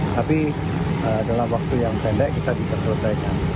tapi dalam waktu yang pendek kita bisa selesaikan